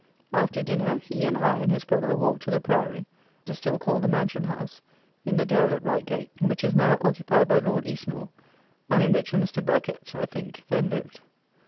After dinner he and I and his brother walked to the Priory, as is still called the mansion house, in the dell at Reigate, which is now occupied by Lord Eastnor, and in which a Mr. Birket, I think, then lived.